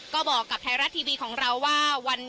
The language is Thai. ก็บอกกับไทยรัฐทีวีของเราว่า